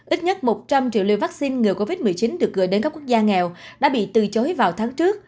ít nhất một trăm linh triệu liều vaccine ngừa covid một mươi chín được gửi đến các quốc gia nghèo đã bị từ chối vào tháng trước